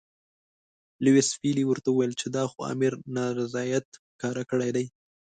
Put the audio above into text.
لیویس پیلي ورته وویل چې دا خو امیر نارضاییت ښکاره کړی دی.